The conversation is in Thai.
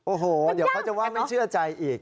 โอ้โหเดี๋ยวเขาจะว่าไม่เชื่อใจอีก